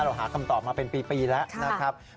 เราหาคำตอบมาเป็นปีแล้วนะครับ